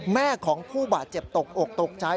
แม่ของผู้บาดเจ็บตกอกตกใจ